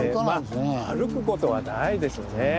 まあ歩くことはないですよね。